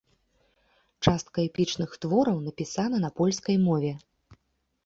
Частка эпічных твораў напісана на польскай мове.